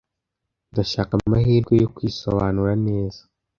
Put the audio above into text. Ndashaka amahirwe yo kwisobanura neza.